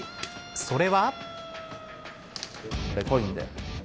それは。